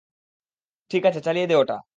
ঠিক আছে, চালিয়ে দে ওটা।